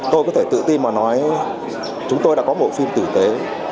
tôi có thể tự tin mà nói chúng tôi đã có bộ phim tử tế